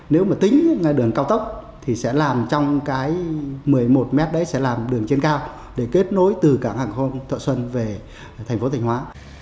nếu mà tính đường cao tốc thì sẽ làm trong cái một mươi một m đấy sẽ làm đường trên cao để kết nối từ cảng hàng không thọ xuân về thành phố thanh hóa